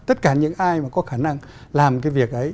tất cả những ai mà có khả năng làm cái việc ấy